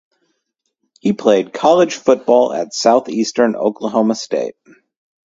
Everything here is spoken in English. He played college football at Southeastern Oklahoma State.